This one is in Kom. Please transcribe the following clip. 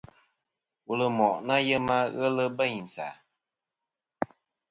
Wul ɨ moʼ ɨ nà yema, ghelɨ bêynsì a.